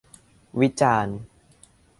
วิจารณ์